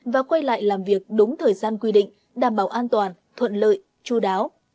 và quay lại làm việc đúng thời gian quy định đảm bảo an toàn thuận lợi chú đáo